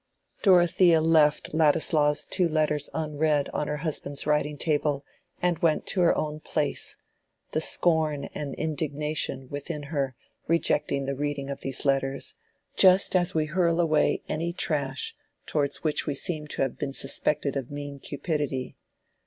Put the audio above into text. Dorothea left Ladislaw's two letters unread on her husband's writing table and went to her own place, the scorn and indignation within her rejecting the reading of these letters, just as we hurl away any trash towards which we seem to have been suspected of mean cupidity.